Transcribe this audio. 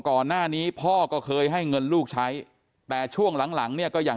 ก่อนหน้านี้พ่อก็เคยให้เงินลูกใช้แต่ช่วงหลังหลังเนี่ยก็อย่าง